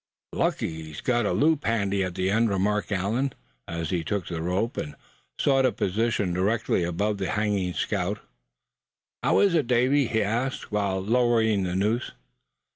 "Lucky it's got a loop handy at the end," remarked Allan, as he took the rope, and sought a position directly above the hanging scout. "How is it, Davy?" he asked, while lowering the noose.